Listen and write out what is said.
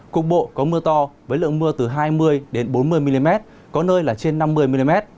cục bộ có mưa to với lượng mưa từ hai mươi bốn mươi mm có nơi là trên năm mươi mm